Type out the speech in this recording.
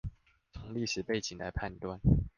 從歷史背景來判斷